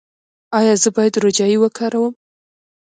ایا زه باید روجايي وکاروم؟